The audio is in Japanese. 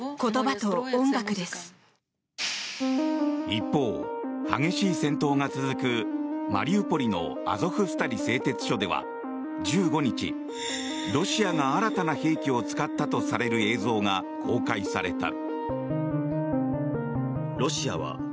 一方、激しい戦闘が続くマリウポリのアゾフスタリ製鉄所では１５日、ロシアが新たな兵器を使ったとされる映像が公開された。